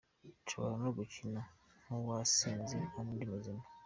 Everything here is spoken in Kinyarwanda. Nshobora no gukina nk’uwasinze kandi ndi muzima.